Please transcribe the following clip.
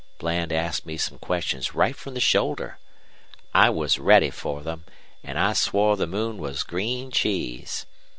Bland asked me some questions right from the shoulder. I was ready for them, an' I swore the moon was green cheese.